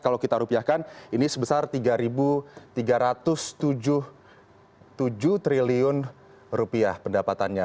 kalau kita rupiahkan ini sebesar rp tiga tiga ratus tujuh triliun rupiah pendapatannya